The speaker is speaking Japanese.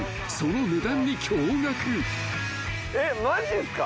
えっマジっすか？